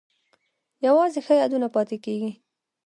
یوازې ښه یادونه پاتې کیږي؟